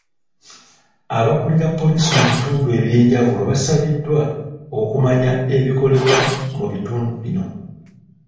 Abakulira poliisi mu bitundu ebyenjawulo basabiddwa okumanya ebikolebwa mu bitundu bino.